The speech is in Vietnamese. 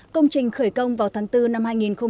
công trình khởi công vào tháng bốn năm hai nghìn hai mươi